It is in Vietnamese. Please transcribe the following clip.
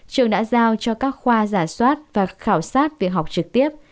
trường đã giao cho các khoa giả soát và khảo sát việc học trực tiếp